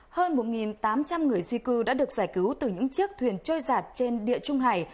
hơn một tám trăm linh người di cư đã được giải cứu từ những chiếc thuyền trôi giạt trên địa trung hải